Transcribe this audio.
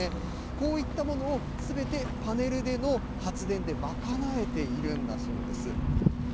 こういったものをすべてパネルでの発電で賄えているんだそうです。